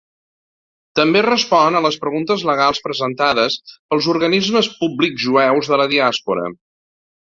També respon a les preguntes legals presentades pels organismes públics jueus de la Diàspora.